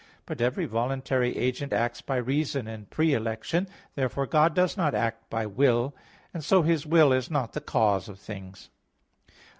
But every voluntary agent acts by reason and pre election. Therefore God does not act by will; and so His will is not the cause of things.